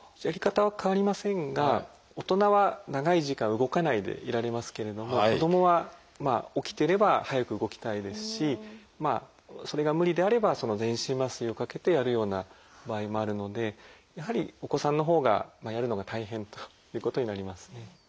やり方は変わりませんが大人は長い時間動かないでいられますけれども子どもは起きてれば早く動きたいですしまあそれが無理であれば全身麻酔をかけてやるような場合もあるのでやはりお子さんのほうがやるのが大変ということになりますね。